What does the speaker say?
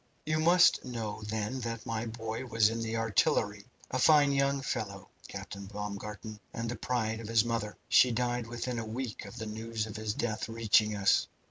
"You must know, then, that my boy was in the artillery a fine young fellow, Captain Baumgarten, and the pride of his mother. She died within a week of the news of his death reaching us.